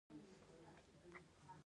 آیا که نړۍ ورسره همکاري وکړي؟